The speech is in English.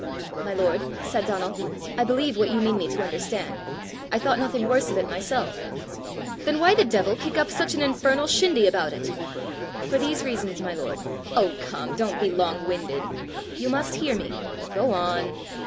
"My lord," said Donal, "I believe what you mean me to understand. I thought nothing worse of it myself." "Then why the devil kick up such an infernal shindy about it?" "For these reasons, my lord: " "Oh, come! don't be long winded." "You must hear me." "Go on."